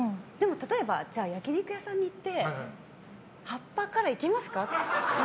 例えば焼き肉屋さんに行って葉っぱからいけますか？